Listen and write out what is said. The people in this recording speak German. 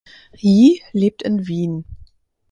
Yi lebt in Wien.